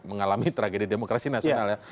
bisa memiliki tragedi demokrasi nasional ya